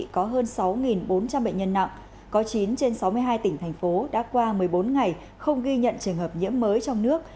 có chín trên sáu mươi hai tỉnh thành phố đã qua một mươi bốn ngày không ghi nhận trường hợp nhiễm mới trong nước